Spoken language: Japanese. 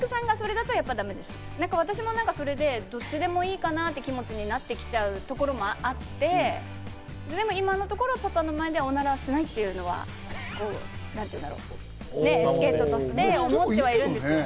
私もそれでどっちでもいいかなぁっていう気持ちになってきちゃうところもあって、でも今のところパパの前ではオナラしないっていうのがね、エチケットとして、思ってはいるんですけど。